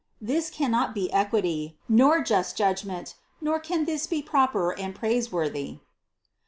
This cannot be equity, nor just judgment, nor can this be proper and praise worthy."